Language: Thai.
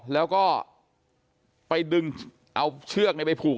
แล้วก็ไปดึงเอาเชือกไปผูก